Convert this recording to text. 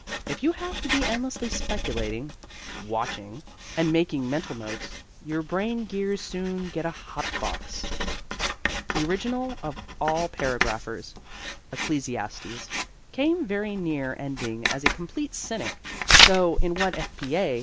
If you have to be endlessly speculating, watching, and making mental notes, your brain gears soon get a hot box. The original of all paragraphers Ecclesiastes came very near ending as a complete cynic; though in what F. P. A.